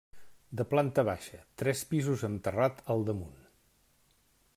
De planta baixa, tres pisos amb terrat al damunt.